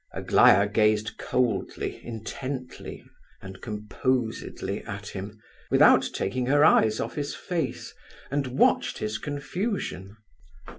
Aglaya gazed coldly, intently, and composedly at him, without taking her eyes off his face, and watched his confusion.